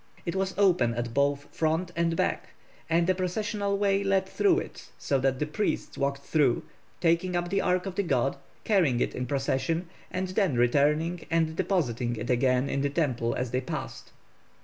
It was open at both front and back, and a processional way led through it, so that the priests walked through, taking up the ark of the god, carrying it in procession, and then returning and depositing it again in the temple as they passed.